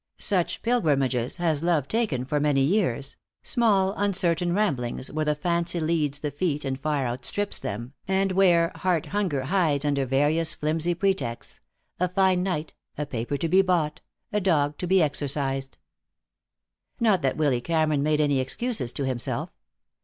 Such pilgrimages has love taken for many years, small uncertain ramblings where the fancy leads the feet and far outstrips them, and where heart hunger hides under various flimsy pretexts; a fine night, a paper to be bought, a dog to be exercised. Not that Willy Cameron made any excuses to himself.